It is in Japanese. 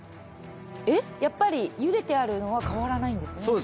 えっやっぱり茹でてあるのは変わらないんですね。